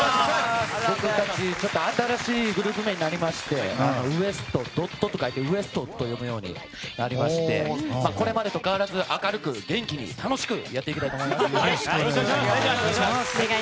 僕たちは新しいグループ名になりましてＷＥＳＴ．でウエストと読むようになりましてこれまでと変わらず明るく元気に楽しくやっていきたいと思います。